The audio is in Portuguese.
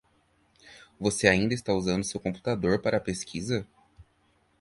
Você ainda está usando seu computador para a pesquisa?